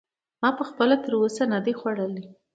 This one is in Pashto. ما خپله تر اوسه نه دی خوړلی.